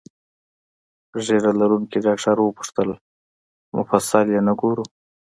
ږیره لرونکي ډاکټر وپوښتل: مفصل یې نه ګورو؟